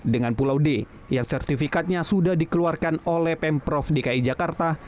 dengan pulau d yang sertifikatnya sudah dikeluarkan oleh pemprov dki jakarta